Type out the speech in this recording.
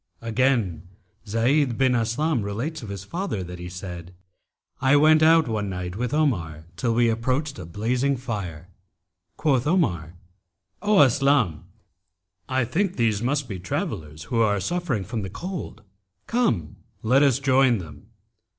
Again Zayd bin Aslam relates of his father that he said, 'I went out one night with Omar till we approached a blazing fire. Quoth Omar, 'O Aslam, I think these must be travellers who are suffering from the cold. Come, let us join them.'